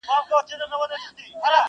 په دعا او په تسلیم يې کړ لاس پورته!